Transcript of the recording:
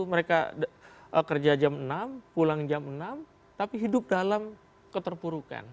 mereka kerja jam enam pulang jam enam tapi hidup dalam keterpurukan